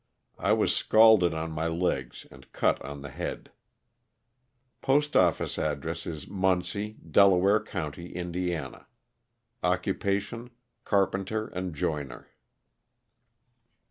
I was scalded on my legs and cut on the head. Postoffice address is Muncie, Delaware county, Ind. Occupation, carpenter and joiner.